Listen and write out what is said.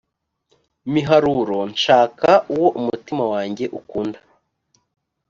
miharuro nshaka uwo umutima wanjye ukunda